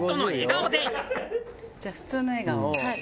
じゃあ普通の笑顔。